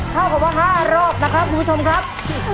เท่ากับว่า๕โรคนะครับผู้ชมครับ